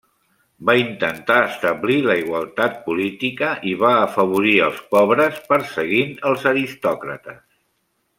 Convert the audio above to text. Va intentar establir la igualtat política i va afavorir els pobres perseguint els aristòcrates.